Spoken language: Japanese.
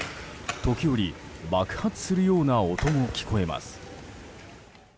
時折、爆発するような音も聞こえます。